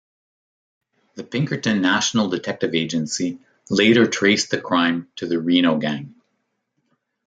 The Pinkerton National Detective Agency later traced the crime to the Reno Gang.